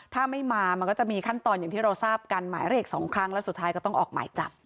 จะไม่มาจะมีขั้นตอนที่เราทราบกันหมายเลข๒แล้วสุดท้ายก็ต้องออกมายจับ